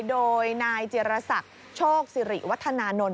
โดยนายจิรษักโชคสิริวัฒนานนท์